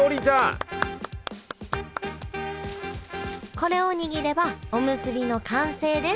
これを握ればおむすびの完成です